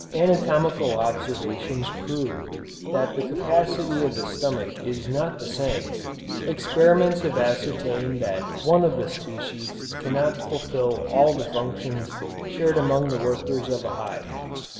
Anatomical observations prove that the capacity of the stomach is not the same experiments have ascertained that one of the species cannot fulfil all the functions shared among the workers of a hive.